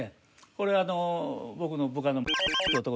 これあの。